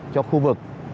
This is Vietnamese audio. cho khu vực